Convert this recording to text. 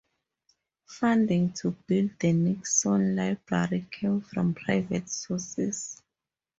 Funding to build the Nixon Library came from private sources.